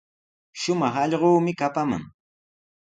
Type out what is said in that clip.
Shumaq allquumi kapaman.